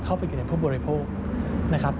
เข้าไปกับผู้บริโภคนะครับ